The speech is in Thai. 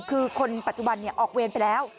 คือคนปัจจุบันออกเวรไปแล้ว